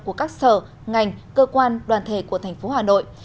của các sở ngành cơ quan đoàn thể của tp hà nội